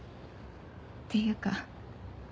ていうか